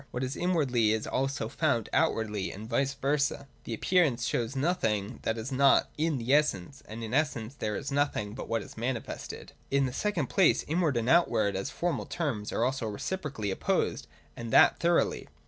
What is inwardly is also found outwardly, and vice versa. The appearance shows no thing that is not in the essence, and in the essence there is nothing but what is manifested. 140.] In the second place, Inward and Outward, as formal terms, are also reciprocally opposed, and that thoroughly.